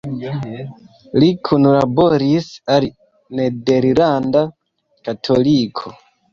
Li kunlaboris al "Nederlanda Katoliko".